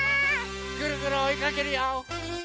ぐるぐるおいかけるよ！